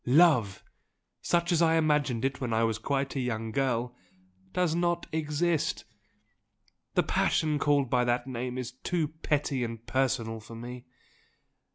Love such as I imagined it when I was quite a young girl does not exist. The passion called by that name is too petty and personal for me.